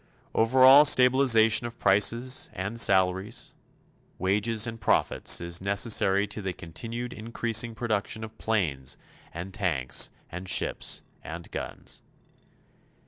Overall stabilization of prices, and salaries, wages and profits is necessary to the continued increasing production of planes and tanks and ships and guns.